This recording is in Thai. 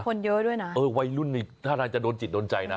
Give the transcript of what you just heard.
คนเยอะด้วยนะเออวัยรุ่นนี่ท่าทางจะโดนจิตโดนใจนะ